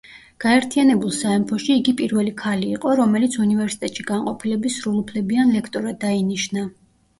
გაერთიანებულ სამეფოში, იგი პირველი ქალი იყო, რომელიც უნივერსიტეტში განყოფილების სრულუფლებიან ლექტორად დაინიშნა.